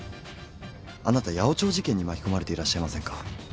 あなた八百長事件に巻き込まれていらっしゃいませんか。